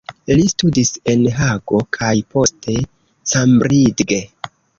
Li studis en Hago kaj poste Cambridge.